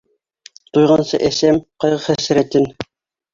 Туйғансы әсәм ҡайғы-хәсрәтен.